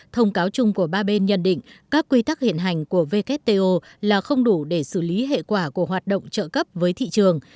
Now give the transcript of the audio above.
thông cáo chung của ba bên nhận định các quy tắc hiện hành của wto là không đủ để xử lý hệ quả của hoạt động trợ cấp với thị trường